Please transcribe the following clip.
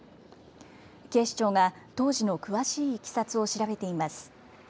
警視庁が当時の詳しいいきさつを調べています。